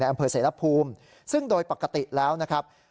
อำเภอเสรภูมิซึ่งโดยปกติแล้วนะครับ